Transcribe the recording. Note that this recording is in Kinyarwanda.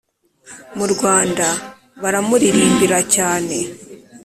mu rwanda baramuririmba cyane